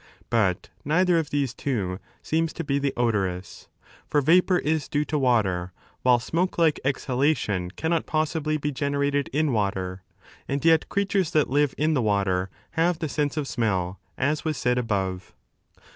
But neither of these two seems to be the odorous. For vapour 8 is due to water, while smoke like exhalation canfiot possibly be generated in water. And yet creatures that live in the water have the sense of smell, as was said above.